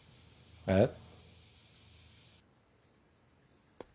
えっ？